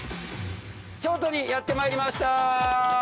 京都にやって参りました。